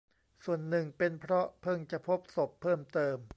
ส่วนหนึ่งเป็นเพราะเพิ่งจะพบศพเพิ่มเติม